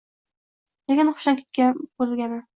Lekin hushidan ketmasa bo‘lgani.